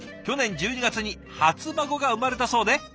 去年１２月に初孫が生まれたそうで。